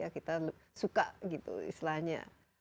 kita suka gitu istilahnya